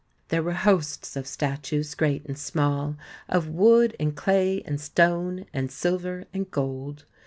There were hosts of statues, great and small, of wood and clay and stone and silver and gold.